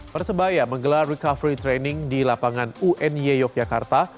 persebaya menggelar recovery training di lapangan uny yogyakarta